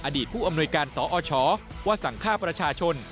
ผู้อำนวยการสอชว่าสั่งฆ่าประชาชน